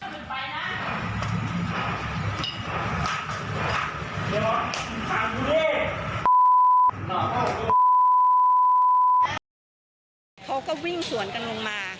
เขาก็วิ่งสวนกันลงมา